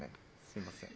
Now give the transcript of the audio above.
すみません。